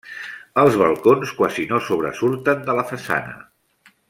Els balcons quasi no sobresurten de la façana.